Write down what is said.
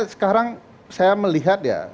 sekarang saya melihat ya